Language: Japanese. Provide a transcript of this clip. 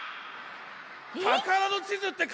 「たからのちず」ってかいてある！